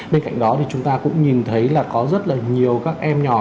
bên cạnh đó thì chúng ta cũng nhìn thấy là có rất là nhiều các em nhỏ